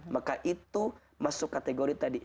maka itu masuk kategori tadi